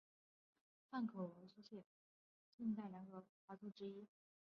汉口俄租界近代中国两个在华俄租界之一。